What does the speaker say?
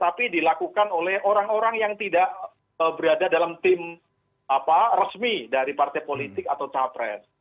tapi dilakukan oleh orang orang yang tidak berada dalam tim resmi dari partai politik atau cawapres